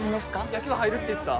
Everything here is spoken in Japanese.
・野球部入るって言った？